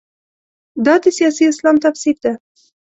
دا د سیاسي اسلام تفسیر ده.